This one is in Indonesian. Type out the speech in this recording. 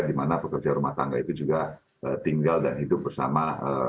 di mana pekerja rumah tangga itu juga tinggal dan hidup bersama